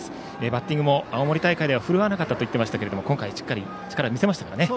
バッティングも青森大会では奮わなかったと言っていますが今回はしっかり力を見せましたね。